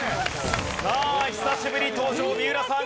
さあ久しぶりに登場三浦さん